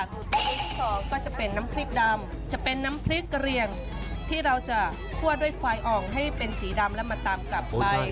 ที่สองก็จะเป็นน้ำพริกดำจะเป็นน้ำพริกกระเรียงที่เราจะคั่วด้วยไฟอ่องให้เป็นสีดำแล้วมาตามกลับไป